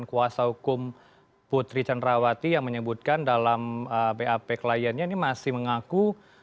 kuasa hukum putri cenrawati yang menyebutkan dalam bap kliennya ini masih mengaku